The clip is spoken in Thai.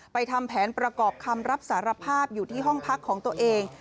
ทำแผนประกอบคำรับสารภาพอยู่ที่ห้องพักของตัวเอง